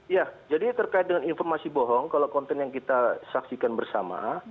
ya jadi terkait dengan informasi bohong kalau konten yang kita saksikan bersama